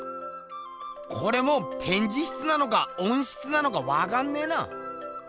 これもうてんじ室なのかおん室なのかわかんねえな。